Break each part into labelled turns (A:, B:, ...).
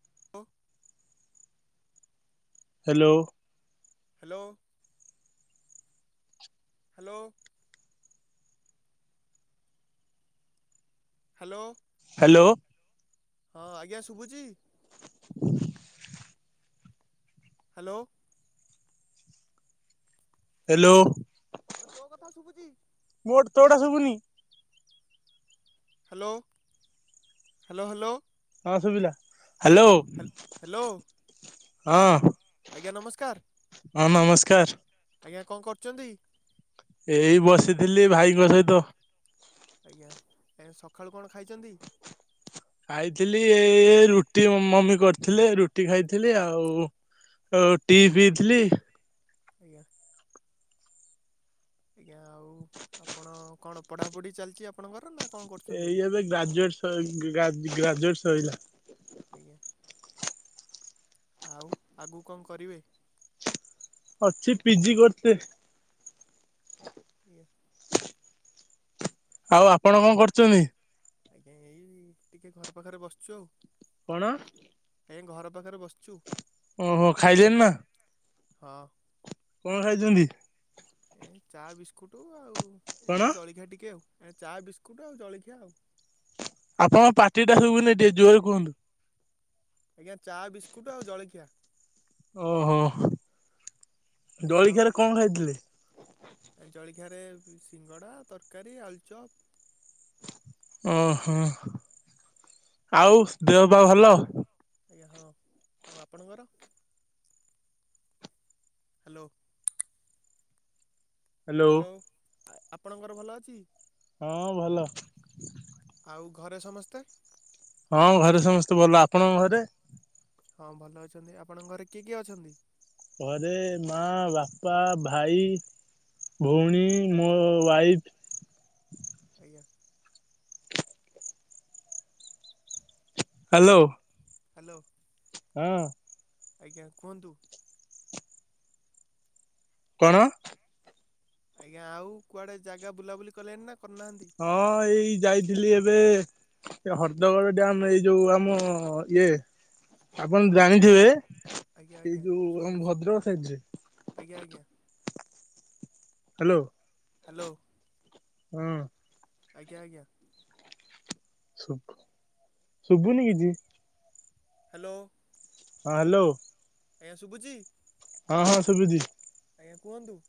A: [inaudible]
B: Hello.
A: Hello. Hello. Hello
B: hello.
A: ହଁ ଆଜ୍ଞା ଶୁଭୁଛି। ହ୍ୟାଲୋ
B: ହ୍ୟାଲୋ
A: ଏବେ ତୋ କଥା ଶୁଭୁଛି।
B: ତୋଟା ଶୁବୁନି।
A: ହ୍ୟାଲୋ ହ୍ୟାଲୋ ହ୍ୟାଲୋ
B: ହଁ ସୁଭିଲା ହ୍ୟାଲୋ
A: ହ୍ୟାଲୋ
B: ହଁ
A: ଆଜ୍ଞା ନମସ୍କାର
B: ହଁ ନମସ୍କାର
A: ଆଜ୍ଞା କଣ କରୁଛନ୍ତି?
B: ଏଇ ବସିଥିଲି ଭାଇଙ୍କ ସହିତ।
A: ଆଜ୍ଞା ଏ ସକାଳୁ କଣ ଖାଇଛନ୍ତି?
B: ଖାଇଥିଲି ଏଇ ରୁଟି ମମି କରିଥିଲେ ରୁଟି ଖାଇଥିଲି ଆଉ ଆଉ ଟି ପିଇଥିଲି।
A: ଆଜ୍ଞା ଆଜ୍ଞା ଆଉ ଆପଣ କ ଣ ପଢ଼ାପଢ଼ି ଚାଲିଛି ଆପଣଙ୍କର ନା କଣ କରୁଛନ୍ତି
B: ଏଇ ଏବେ ଗ୍ରାଜୁଏଟ ଗ୍ରାଜୁଏଟ ସରିଲା।
A: ଆଜ୍ଞା ଆଉ ଆଗକୁ କଣ କରିବେ?
B: ଅଛି ପିଜି କରିଛେ
A: ଏ [inaudible]
B: ଆଉ ଆପଣ କଣ କରୁଛନ୍ତି?
A: ଆଜ୍ଞା ଏଇ ଟିକେ ଘର ପାଖରେ ବସିଛୁ ଆଉ।
B: କଣ?
A: ଆଜ୍ଞା ଘର ପାଖରେ ବସିଛୁ
B: ଓହୋ ଖାଇଲେଣି ନା
A: ହଁ।
B: କଣ ଖାଇଛନ୍ତି?
A: ଏ ଚା ବିସ୍କୁଟ ଆଉ
B: କଣ
A: ଏମିତି ଜଳିଖିଆ ଟିକେ ଆଉ ଏ ଚା ବିସ୍କୁଟ ଆଉ ଜଳିଖିଆ ଆଉ
B: ଆପଣଙ୍କ ପାଟିଟା ସୁବୁନି ଟିକେ ଜୋରରେ କୁହନ୍ତୁ।
A: ଆଜ୍ଞା ଚା ବିସ୍କୁଟ ଆଉ ଜଳଖିଆ।
B: ଓହୋ
A: ଏ ଆଉ
B: ଜଳଖିଆରେ କଣ ଖାଇଥିଲେ?
A: ଜଳଖିଆ ରେ ସିଙ୍ଗଡ଼ା ତରକାରୀ ଆଳୁଚପ।
B: ଓହୋ ଆଉ ଦେହ ବା ଭଲ।
A: ଆଜ୍ଞା ହଁ ଆଉ ଆପଣଙ୍କର? ହ୍ୟାଲୋ ହ୍ୟାଲୋ ଆପଣଙ୍କର ଭଲ ଅଛି?
B: ହଁ ଭଲ।
A: ଆଉ ଘରେ ସମସ୍ତେ?
B: ହଁ ଘରେ ସମସ୍ତେ ଭଲ ଆପଣଙ୍କ ଘରେ।
A: ହଁ ଭଲ ଅଛନ୍ତି ଆପଣଙ୍କ ଘରେ କିଏ କିଏ ଅଛନ୍ତି?
B: ଘରେ ମା ବାପା ଭାଇ? ଭଉଣୀ ମୋ ୱାଇଫ।
A: ଆଜ୍ଞା
B: ହ୍ୟାଲୋ
A: ହ୍ୟାଲୋ
B: ହଁ
A: ଆଜ୍ଞା କୁହନ୍ତୁ।
B: କଣ?
A: ଆଜ୍ଞା ଆଉ କୁଆଡେ ଜାଗା ବୁଲାବୁଲି କଲେଣି ନା କରିନାହାନ୍ତି।
B: ହଁ ଏଇ ଯାଇଥିଲି ଏବେ ସେ ହର୍ଦଗଡ଼ ଡ୍ୟାମ ଏଇ ଯୋଉ ଆମ ଇଏ ଆପଣ ଜାଣିଥିବେ
A: ଆଜ୍ଞା
B: ଏଇ
A: ଆଜ୍ଞା
B: ଯୋଉ ଆମ
A: ଶୁଣିଛି
B: ଭଦ୍ରକ ସାଇଡରେ
A: ଆଜ୍ଞା ଆଜ୍ଞା
B: ହ୍ୟାଲୋ
A: ହ୍ୟାଲୋ
B: ହୁଁ
A: ଆଜ୍ଞା ଆଜ୍ଞା
B: ଶୁଭୁ ଶୁଭୁନି କିଛି।
A: ହ୍ୟାଲୋ
B: ହଁ ହ୍ୟାଲୋ
A: ଆଜ୍ଞା ଶୁଭୁଚି।
B: ହଁ ହଁ ଶୁବିଚି।
A: ଆଜ୍ଞା କୁହନ୍ତୁ।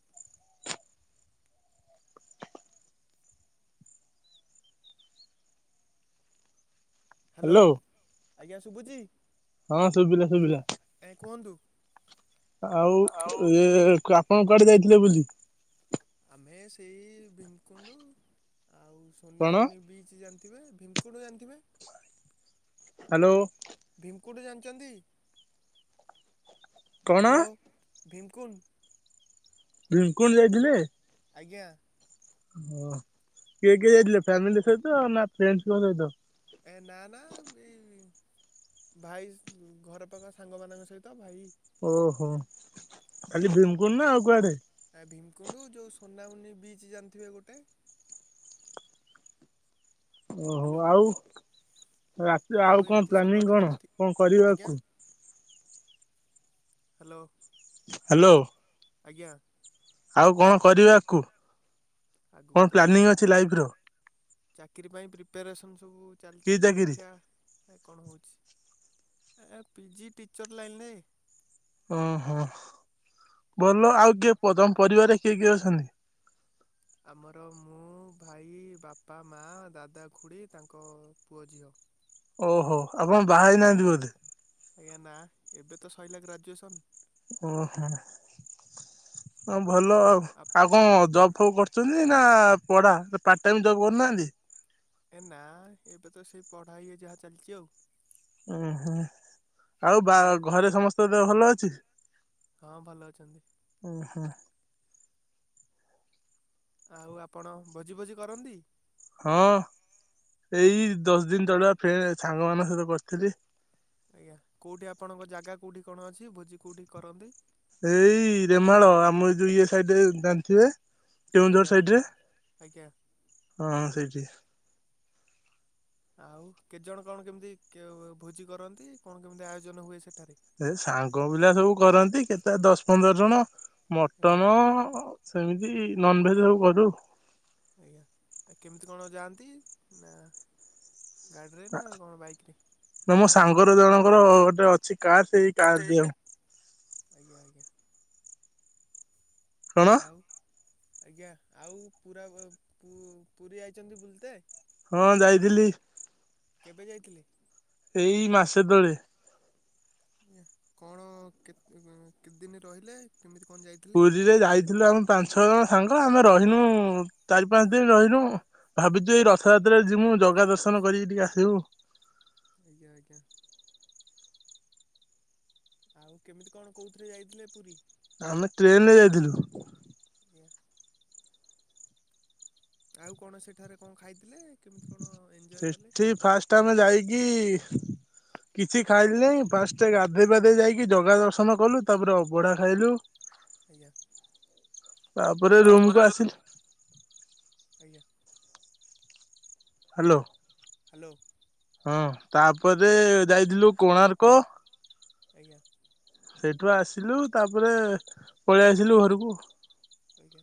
A: ହାଲୋ
B: ହ୍ୟାଲୋ
A: ଆଜ୍ଞା ଶୁବୁଚି?
B: ହଁ ଶୁବିଲା ଶୁଭିଲା ଆଉ ଇଏ କ୍ରାପ। କଣ କୁଆଡେ ଯାଇଥିଲେ ବୁଲି?
A: ଆମେ ସେଇ ଭୀମକୁଣ୍ଡୁ ଆଉ
B: କଣ
A: ସୋନାମୁନି ବିଚ୍ ଯାଣି ଥିବେ ଭୀମକୁଣ୍ଡୁଯାଣିଥିବେ?
B: ହାଲୋ।
A: ଭୀମକୁଣ୍ଡୁ ଜାଣିଛନ୍ତି
B: କଣ
A: ହାଲୋ। ଭିମ୍ କୁଣ୍ଡୁ।
B: ଭିମ୍ କୁଣ୍ଡୁ ଯାଇଥିଲେ?
A: ଆଜ୍ଞା।
B: ଓଁ କିଏ କିଏ ଯାଇଥିଲେ ଫ୍ୟାମିଲି ସହିତ ନାଁ ଫ୍ରେଣ୍ଡସ୍ ଙ୍କ ସହିତ?
A: ଏ ନାଁ ନାଁ ଏଇ ଭାଇ ଘର ପାଖ ସାଙ୍ଗମାନଙ୍କ ସହିତ ଭାଇ।
B: ଓହୋ ଖାଲି ଭୀମିକୁୁଣ୍ଡୁ ନା ଆଉ କୁଆଡେ?
A: ଆ ଭୀମିକୁଣ୍ଡୁ ଯେଉଁ ସୋନାମୁନି ବିଚ୍ ଜାଣିଥିବେ ଗୋଟେ।
B: ଓହୋ
A: ହ୍ୟାଲୋ
B: ଆଉ ରାତିରେ ଆଉ କଣ
A: ଏମିତି ସବୁଆଡ଼େ
B: ପ୍ଲାନିଂ କଣ
A: ବୁଲଥି
B: କଣ କରିବେଆକୁ?
A: ହାଲୋ।
B: ହାଲୋ।
A: ଆଜ୍ଞା।
B: ଆଉ କଣ କରିବେ ଆକୁ କଣ ପ୍ଲାନିଂ ଅଛି ଲାଇଫ୍ ର?
A: ଚାକିରୀ ପାଇଁ ପ୍ରିପାରେସନ୍ ସବୁ
B: କି
A: ଚାଲିଚି
B: ଚାକିରି?
A: ଦେଖିଆ ଏ କଣ ହେଉଚି ଏ ପିଜି ଟିଚର୍ ଲାଇନିରେ।
B: ଓହୋ ଭଲ ଆଉ କିଏ ତମ ପରିବାରେ କିଏ କିଏ ଅଛନ୍ତି?
A: ଆମର ମୁଁ, ଭାଇ, ବାପା, ମା, ଦାଦା, ଖୁଡ଼ି ତାଙ୍କ ପୁଅ, ଝିଅ।
B: ଓହୋ ଆପଣ ବାହା ହେଇ ନାହାନ୍ତି ବୋଧେ?
A: ଆଜ୍ଞା ନାଁ ଏବେ ତ ସଇଲା ଗ୍ରାଜୁଏସନ୍।
B: ଓହୋ ଅଁ ଭଲ ଆଉ। ଆଉ କଁ ଜ ଫଉ କରୁଚନ୍ତି ନାଁ ପଢ଼ା? ନାଁ ପାର୍ଟ ଟାଇମ୍ ଜବ୍ କରୁନାହାନ୍ତି?
A: ଏ ନାଁ ଏବେ ତ ସେଇ ପଢ଼ା ଇଏ ଯାହା ଚାଲିଚି ଆଉ।
B: ଓହୋ ଆଉ ବା ଘରେ ସମସ୍ତଙ୍କ ଦେହ ଭଲ ଅଛି?
A: ହଁ ଭଲ ଅଛନ୍ତି।
B: ଉଁ ହଁ।
A: ଆଉ ଆପଣ ଭୋଜି ଭୋଜି କରନ୍ତି?
B: ହଁ ଏଇ ଦଶ ଦିନି ତଳେ ଫେରେ ସାଙ୍ଗ ମାନଙ୍କ ସହିତ କରିଥିଲି।
A: ଆଜ୍ଞା କେଉଠି ଆପଣଙ୍କ ଜାଗା କେଉଠି କଣ ଅଛି ଭୋଜି କେଉଠି କରନ୍ତି?
B: ଏଇ ରେମାଳ ଆମର ଏ ଯୋଉ ଇଏ ସାଇଟି ରେ ଜାଣିଥିବେ। କେଉଁଝର
A: ଆଜ୍ଞା
B: ସାଇଡ଼ରେ
A: ଆଜ୍ଞା।
B: ହଁ ସେଇଠି।
A: ଆଉ କେତେଜଣ କଣ କେମିତି ଭୋଜି କରନ୍ତି କଣ କେମିତି ଆୟୋଜନ ହୁଏ ସେଠାରେ?
B: ଏ ସାଙ୍ଗ ପିଲା ସବୁ କରନ୍ତି କେତେ ଦଶ ପନ୍ଦର ଜଣ
A: ଆଜ୍ଞା
B: ମଟନ। ସେମିତି ନନଭେଜେ୍ ସବୁ କରୁ।
A: ଆଜ୍ଞା କେମିତି କଣ ଯାଆନ୍ତି ନା ଗାଡ଼ିରେ ନା କଣ ବାଇକ୍ରରେ?
B: ନା ମୋ ସାଙ୍ଗର ଜଣଙ୍କର ଗୋଟେ ଅଛି କାର୍ ଟେ କାର ଦିଅ।
A: ଆଜ୍ଞା ଆଜ୍ଞା।
B: କଣ
A: ଆଉ ଆଜ୍ଞା ଆଉ ପୁରା ପୁରୀ ଆଇଛନ୍ତି ବୁଲତେ?
B: ହଁ ଯାଇଥିଲି।
A: କେବେ ଯାଇଥିଲେ?
B: ଏଇ ମାସେ ତଳେ।
A: ଆଜ୍ଞା। କଣ କେତେବଳେ କେତେ ଦିନ ରହିଲେ କେମିତି କଣ ଯାଇଥିଲେ?
B: ପୁରୀରେ ଯାଇଥିଲୁ ଆମେ ପାଞ୍ଚ ଛଅ ଜଣ ସାଙ୍ଗ ଆମେ ରହିନୁ ଚାରି ପାଞ୍ଚ ଦିନ ରହିନୁ ଭାବୁଛୁ ଏଇ ରଥଯାତ୍ରାରେ ଯିମୁ ଜଗା ଦର୍ଶନ କରିକି ଟିକେ ଆସିବୁ।
A: ଆଜ୍ଞା ଆଜ୍ଞା। ଆଉ କେମିତି କଣ କୋଉଥିରେ ଯାଇଥିଲେ ପୁରୀ?
B: ଆମେ ଟ୍ରେନରେ ଯାଇଥିଲୁ।
A: ଆଜ୍ଞା। ଆଉ କଣ ସେଠାରେ କଣ ଖାଇଥିଲେ? କେମିତି କଣ ଏଞ୍ଜୟ କଲେ?
B: ସେଠି ଫାଷ୍ଟ ଆମେ ଯାଇକି କିଛି ଖାଇଲି ନାହିଁ ଫାଷ୍ଟ ଗାଧୋଇ ପାଧେଇ ଯାଇକି ଜଗା ଦର୍ଶନ କଲୁ। ତାପରେ ଅବଢା ଖାଇଲୁ।
A: ଆଜ୍ଞା।
B: ତାପରେ ରୁମ କୁ ଆସିଲି।
A: ଆଜ୍ଞା।
B: ହ୍ୟାଲୋ।
A: ହ୍ୟାଲୋ।
B: ହଁ ତାପରେ ଯାଇଥିଲୁ କୋଣାର୍କ
A: ଆଜ୍ଞା।
B: ସେଇଠୁ ଆସିଲୁ ତାପରେ ପଳେଇ ଆସିଲୁ ଘରକୁ।
A: ଆଜ୍ଞା।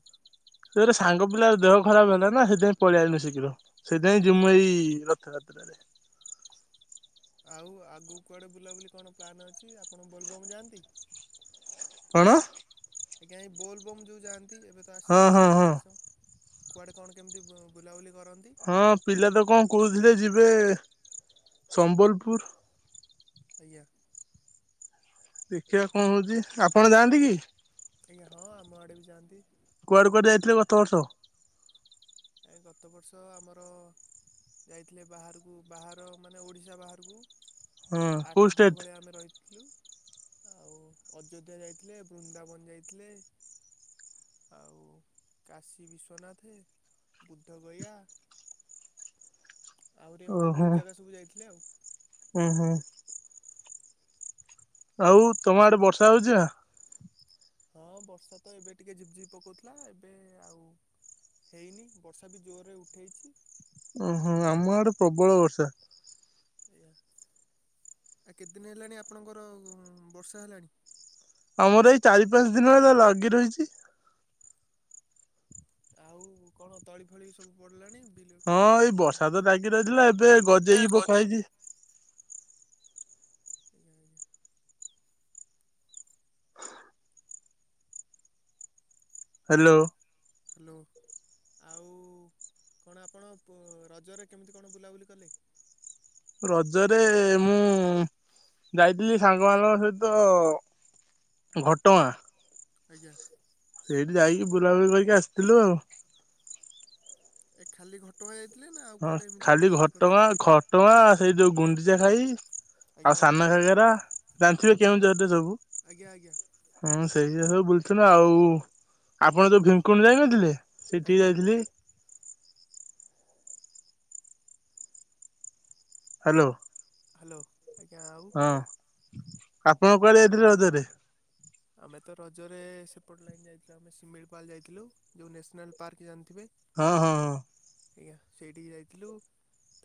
B: ସେରେ ସାଙ୍ଗ ପିଲାର ଦେହ ଖରାପ ହେଲା ନା ସେଥିପାଇଁ ପଳେଇଆନୁ ଶୀଘ୍ର ସେ ଯାଇଁ
A: ଆଜ୍ଞା
B: ଜିମୁ
A: ଆଜ୍ଞା।
B: ଏଇ ରଥଯାତ୍ରାରେ।
A: ଆଉ ଆଗକୁ କୁଆଡ଼େ ବୁଲାବୁଲି କଣ ପ୍ଲାନ୍ ଅଛି। ଆପଣ ବୋଲବମ୍ ଯାଆନ୍ତି?
B: କଣ?
A: ଆଜ୍ଞା ଏ ବୋଲବମ ଯେଉଁ ଯାଆନ୍ତି ଏବେ ତ
B: ହଁ
A: ଆସିଲାଣି
B: ହଁ ହଁ
A: ଶ୍ରାବଣ ମାସ। କୁଆଡ଼େ କଣ କେମିତି ବୁଲାବୁଲି କରନ୍ତି?
B: ହଁ ପିଲା ତ କଣ କହୁଥିଲେ ଯିବେ ସମ୍ବଲପୁର।
A: ଆଜ୍ଞା।
B: ଦେଖିବା କଣ ହେଉଛି। ଆପଣ ଯାଆନ୍ତି କି?
A: ଆଜ୍ଞା। ହଁ ଆମ ଆଡେ ବି ଯାଆନ୍ତି।
B: କୁଆଡ଼େ କୁଆଡେ ଯାଇଥିଲେ ଗତ ବର୍ଷ?
A: ଏ ଗତ ବର୍ଷ ଆମର ଯାଇଥିଲେ ବାହାରକୁ ବାହାର ମାନେ ଓଡିଶା ବାହାରକୁ
B: ହଁ କୋଉ
A: ଆଠ ଦିନ
B: ଷ୍ଟେଟ
A: ଭଳିଆ ଆମେ ରହିଥିଲୁ। ଆଉ ଅଯୋଧ୍ୟା ଯାଇଥିଲେ। ବୃନ୍ଦାବନ ଯାଇଥିଲେ। ଆଉ କାଶୀ ବିଶ୍ୱନାଥେ ବୁଦ୍ଧ ଗୟା ଆହୁରି ଏମିତି
B: ଓହୋ
A: ବହୁତ ଜାଗା ସବୁ ଯାଇଥିଲେ ଆଉ।
B: ହୁଁ ହୁଁ। ଆଉ ତମ ଆଡେ ବର୍ଷା ହଉଛି ନା?
A: ହଁ ବର୍ଷା ତ ଏବେ ଟିକେ ଝିପଝିପ ପକାଉଥିଲା ଏବେ ଆଉ ହେଇନି ବର୍ଷା ବି ଜୋରରେ ଉଠେଇଛି।
B: ଓହୋ ଆମ ଆଡେ ପ୍ରବଳ ବର୍ଷା।
A: ଆଜ୍ଞା। ଆ କେତେଦିନ ହେଲାଣି ଆପଣଙ୍କର ବର୍ଷା ହେଲାଣି?
B: ଆମର ଏଇ ଚାରି ପାଞ୍ଚ ଦିନ ହେଲା ଲାଗି ରହିଛି।
A: ଆଉ କଣ ତଳି ତଳି ସବୁ ପଡିଲାଣି ବିଲ
B: ହଁ
A: କଣ
B: ଏଇ
A: ରୁଆ ପତା
B: ବର୍ଷା ତ ଲାଗି ରହିଥିଲା ଏବେ ଗଜେଇକି ପକା ହେଇଛି
A: ଆଜ୍ଞା ଆଜ୍ଞା।
B: ହାଲୋ।
A: ହାଲୋ ଆଉ କଣ ଆପଣ ରଜରେ କେମିତି କଣ ବୁଲାବୁଲି କଲେ।
B: ରଜରେ ମୁଁ ଯାଇଥିଲି ସାଙ୍ଗମାନଙ୍କ ସହିତ ଘଟ ଗାଁ।
A: ଆଜ୍ଞା।
B: ସେଇଠି ଯାଇକି ବୁଲାବୁଲି କରିକି ଆସିଥିଲୁ ଆଉ।
A: ଏ ଖାଲି ଘଟଗାଁ ଯାଇଥିଲେ ନା ଆଉ କୁଆଡ଼େ ଏମିତି ବୁଲାବୁଲି କରିଥିଲେ?
B: ଘଟ ଗାଁ ସେଇ ଯୋଉ ଗୁଣ୍ଡିଚା ଘାଇ।
A: ଆଜ୍ଞା
B: ଆଉ
A: ଆଜ୍ଞା
B: ସାନଘାଗେରା ଜାଣିଥିବେ କେଁଉଝରରେ ଯୋଉ।
A: ଆଜ୍ଞା ଆଜ୍ଞା
B: ହଁ ସେଇ ଜାଗା ସବୁ ବୁଲୁଥିଲୁ ଆଉ ଆପଣ ଯୋଉ ଭୀମକୁଣ୍ଡ ଯାଇନଥିଲେ ସେଠିକି
A: ଆଜ୍ଞା
B: ଯାଇଥିଲି। ହାଲୋ।
A: ହାଲୋ।
B: ହଁ ଆପଣ କୁଆଡେ ଯାଇଥିଲେ ରଜରେ।
A: ଆମେ ତ ରଜରେ ସେପଟ ଲାଇନ୍ ଯାଇଥିଲୁ ଆମେ ସିମିଳିପାଲ୍ ଯାଇଥିଲୁ ଯୋଉ ନ୍ୟାସନାଲ୍। ପାର୍କ ଜାଣିଥିବେ।
B: ହଁ ହଁ ହଁ
A: ଆଜ୍ଞା ସେଇଠିକି ଯାଇଥିଲୁ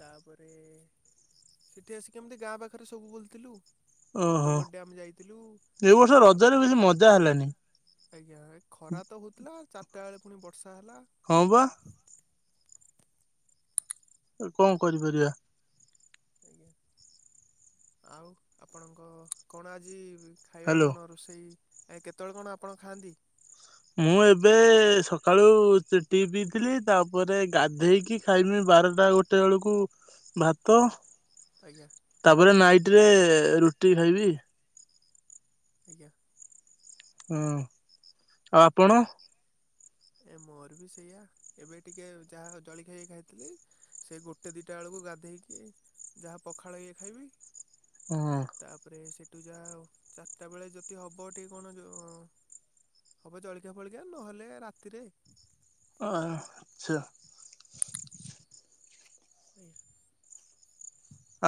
A: ତାପରେ ସେଠି ଆସିକି ଏମିତି ଗାଁ ପାଖରେ ସବୁ ବୁଲୁଥିଲୁ
B: ଓହୋ
A: ହଦଗଡ଼ ଡ୍ୟାମ୍ ଯାଇଥିଲୁ।
B: ଏ ବର୍ଷ
A: ତାପ
B: ରଜରେ ବେଶୀ ମଜା ହେଲାନି।
A: ଆଜ୍ଞା ଏ ଖରା ତ ହୋଉଥିଲା ଚାରଟା ବେଳେ ଫୁଣି ବର୍ଷା ହେଲା।
B: ହଁ ବା। କଣ କରିପାରିବା।
A: ଆଜ୍ଞା ଆଉ ଆପଣଙ୍କ କଣ ଆଜି ଖାଇବା
B: ହ୍ୟାଲୋ
A: କଣ ରୋଷେଇ ଆଜ୍ଞା କେତବେଳେ କଣ ଆପଣ ଖାଆନ୍ତି।
B: ମୁଁ ଏବେ ସକାଳୁ ଟି ପିଇଥିଲି ତାପରେ ଗାଧେଇକି ଖାଇନି ବାରଟା ଗୋଟେ ବେଳକୁ ଭାତ।
A: ଆଜ୍ଞା।
B: ତାପରେ ନାଇଟ୍ ରେ ରୁଟି ଖାଇବି।
A: ଆଜ୍ଞା।
B: ହୁଁ ଆପଣ?
A: ଏ ମୋର ବି ସେଇଆ ଏବେ ଟିକେ ଯାହା ଜଳିଖିଆ ଖାଇଥିଲି। ସେ ଗୋଟେ ଦିଟା ବେଳକୁ ଗାଧେଇକି ଯାହା ପଖାଳ ଇଏ ଖାଇବି।
B: ହୁଁ।
A: ତାପରେ ସେଇଠୁ ଯାହା ଆଉ ଚାରିଟା ବେଳେ ଯଦି ହବ ଟିକେ କଣ ଉଁ ହବ ଜଳିଖିଆ ଫଳିଖିଆ ନହେଲେ ରାତିରେ।
B: ହଁ ଆଛା।
A: ଆଜ୍ଞା।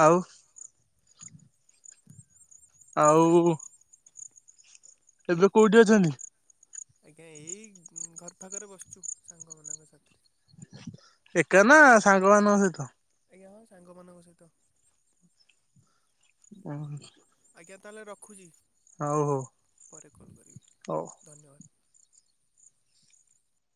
B: ଆଉ। ଆଉ ଏବେ କୋଉଠି ଅଛନ୍ତି?
A: ଆଜ୍ଞା ଏଇ ଘର ପାଖରେ ବସିଛୁ ସାଙ୍ଗ ମାନଙ୍କ ସାଥିରେ।
B: ଏକା ନା ସାଙ୍ଗମାନଙ୍କ ସହିତ?
A: ଆଜ୍ଞା ହଁ ସାଙ୍ଗ ମାନଙ୍କ ସହିତ।
B: [unintelligible]
A: ଆଜ୍ଞା ତାହାଲେ ରଖୁଛି
B: ହଉ ହଉ।
A: ପରେ କଲ୍ କରିବି ଧନ୍ୟବାଦ।